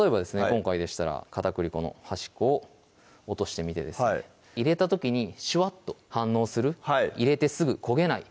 今回でしたら片栗粉の端っこを落としてみて入れた時にシュワッと反応する入れてすぐ焦げない